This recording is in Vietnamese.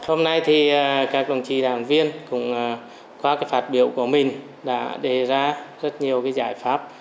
hôm nay thì các đồng chí đảng viên cũng qua cái phạt biểu của mình đã đề ra rất nhiều cái giải pháp